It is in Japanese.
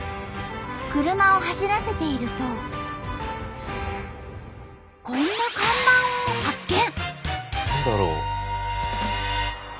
車を走らせているとこんな看板を発見！